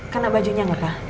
kena bajunya nggak pak